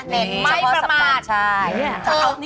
เน้นเฉพาะสัมภาษณ์